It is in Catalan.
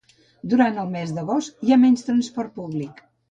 Durant el mes d'agost hi ha menys transport públic